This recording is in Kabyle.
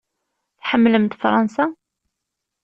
Tḥemmlemt Fṛansa?